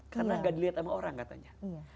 karena gak dilihat sama orang katanya